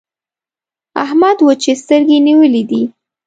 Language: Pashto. احمد وچې سترګې نيولې دي.